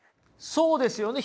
そうですよね。